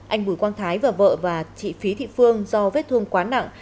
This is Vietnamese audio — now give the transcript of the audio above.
anh bùi quang thái và vợ và chị phí thị phương do vết thương quá nặng